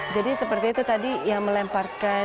jadi seperti itu tadi yang melemparkan